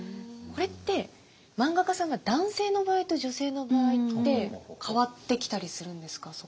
これって漫画家さんが男性の場合と女性の場合って変わってきたりするんですか？